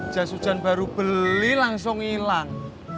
jas hujan baru beli langsung hilang